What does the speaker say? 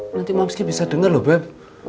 nanti mamsi bisa denger loh beb